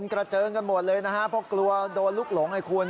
กระเจิงกันหมดเลยนะฮะเพราะกลัวโดนลูกหลงไอคุณ